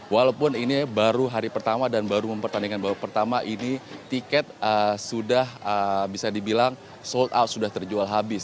walaupun ini baru hari pertama dan baru mempertandingkan bahwa pertama ini tiket sudah bisa dibilang sold out sudah terjual habis